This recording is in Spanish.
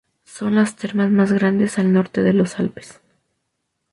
Son las termas más grandes al norte de los Alpes.